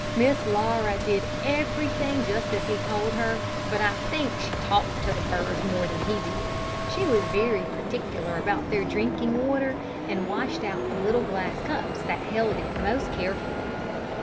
Miss Laura did everything just as he told her; but I think she talked to the birds more than he did. She was very particular about their drinking water, and washed out the little glass cups that held it most carefully.